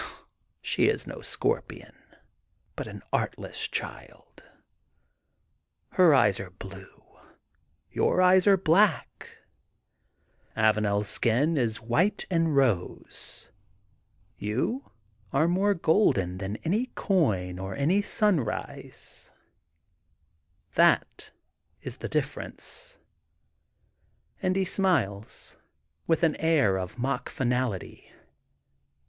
"She is no scorpion, but an artless child. Her eyes are blue. Your eyes are black. THE GOLDEN BOOK OF SPRINGFIELD 245 AvanePs skin is white and rose. You are more golden than any coin, 6t any sunrise. That is the difference/' And he smiles with an air ofmockfinaUty.